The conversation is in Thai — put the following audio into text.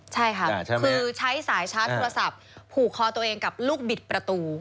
ใช่ค่ะคือใช้สายชาร์จโทรศัพท์ผูกคอตัวเองกับลูกบิดประตู